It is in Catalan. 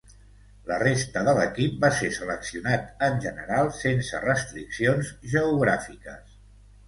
La resta de l'equip va ser seleccionat en general sense restriccions geogràfiques.